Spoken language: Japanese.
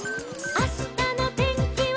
「あしたのてんきは」